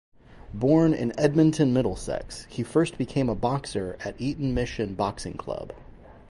Born in Edmonton, Middlesex, he first became a boxer at Eton Mission Boxing Club.